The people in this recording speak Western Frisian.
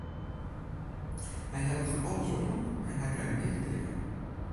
Hy hellet fan alles oan en hy krijt neat klear.